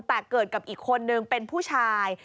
แต่เกิดกับอีกคนนึงเป็นผู้ชาย